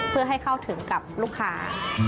เพื่อให้เข้าถึงกับลูกค้า